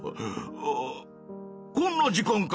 ああこんな時間か！